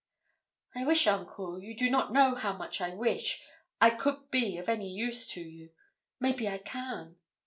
'I wish, uncle you do not know how much I wish I could be of any use to you. Maybe I can?'